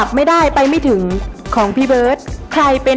คำค่ะเพลงไปไม่ถึงของพี่เบิร์ดใครเป็น